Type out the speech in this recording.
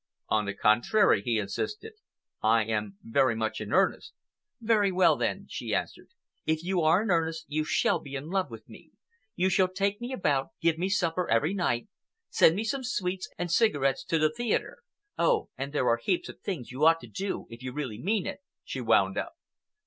"On the contrary," he insisted. "I am very much in earnest." "Very well, then," she answered, "if you are in earnest you shall be in love with me. You shall take me about, give me supper every night, send me some sweets and cigarettes to the theatre—oh, and there are heaps of things you ought to do if you really mean it!" she wound up.